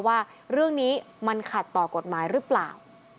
ว่าเรื่องนี้มันขัดต่อกฎหมายหรือเปล่า